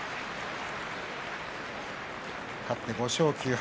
勝って５勝９敗。